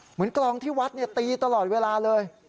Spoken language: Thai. เหมือนกรองที่วัดตีตลอดเวลาเลย